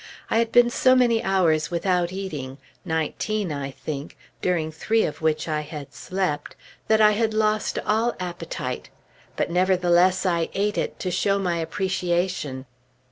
I had been so many hours without eating nineteen, I think, during three of which I had slept that I had lost all appetite; but nevertheless I ate it, to show my appreciation.